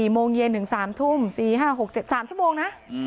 โมงเย็นถึง๓ทุ่ม๔๕๖๗๓ชั่วโมงนะ